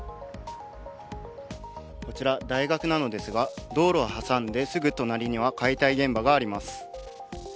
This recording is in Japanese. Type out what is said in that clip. こちら大学なのですが道路を挟んで、すぐ隣には解体現場があります。